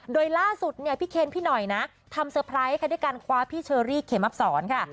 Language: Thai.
โดยล่าสุดเนี่ยพี่เคนพี่หน่อยนะทำเตอร์ไพรส์ค่ะด้วยการคว้าพี่เชอรี่เขมับสอนค่ะ